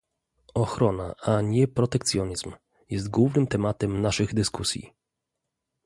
"Ochrona, a nie protekcjonizm" jest głównym tematem naszych dyskusji